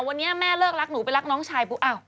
วันนี้แม่เลิกรักหนูไปรักน้องชายปุ๊บ